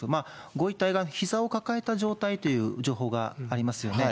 ご遺体がひざを抱えた状態という情報がありますよね。